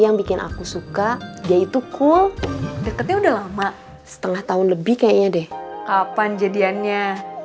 yang bikin aku suka dia itu cool deketnya udah lama setengah tahun lebih kayaknya deh kapan jadiannya